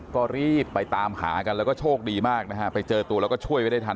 ก็รีบไปตามหากันแล้วก็โชคดีมากนะฮะไปเจอตัวแล้วก็ช่วยไว้ได้ทัน